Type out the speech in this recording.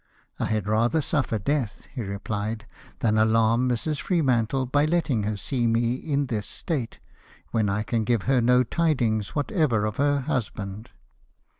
" I had rather suffer death," he repUed, " than alarm Mrs. Freemantle by letting her see me in this state, when I can give her no tidings whatever of her husband."